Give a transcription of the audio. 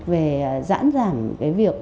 về giảm giảm cái việc